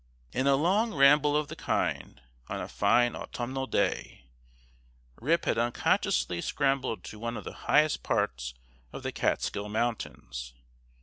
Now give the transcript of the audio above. In a long ramble of the kind, on a fine autumnal day, Rip had unconsciously scrambled to one of the highest parts of the Kaatskill mountains.